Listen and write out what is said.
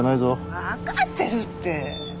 わかってるって。